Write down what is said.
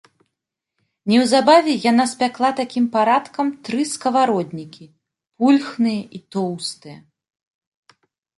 Неўзабаве яна спякла такім парадкам тры скавароднікі, пульхныя і тоўстыя.